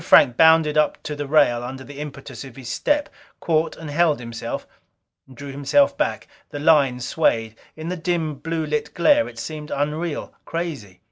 Frank bounded up to the rail under the impetus of his step; caught and held himself. Drew himself back. The line swayed. In the dim, blue lit glare it seemed unreal, crazy.